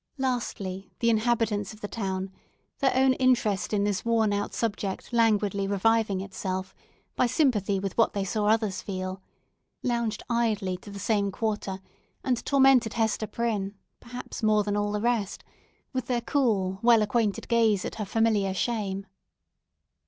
Lastly, the inhabitants of the town (their own interest in this worn out subject languidly reviving itself, by sympathy with what they saw others feel) lounged idly to the same quarter, and tormented Hester Prynne, perhaps more than all the rest, with their cool, well acquainted gaze at her familiar shame.